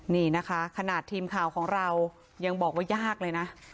นี่นะคะขนาดทีมข่าวของเรายังบอกว่ายากเลยนะ